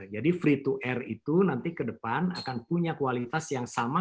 jadi free to air itu nanti ke depan akan punya kualitas yang sama